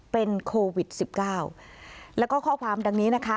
เป็นโควิดสิบเก้าแล้วก็ข้อความดังนี้นะคะ